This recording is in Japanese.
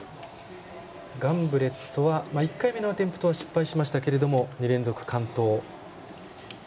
ガンブレットは１回目のアテンプトは失敗しましたが２連続完登。